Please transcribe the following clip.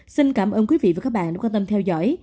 xin cảm ơn quý vị và các bạn đã quan tâm theo dõi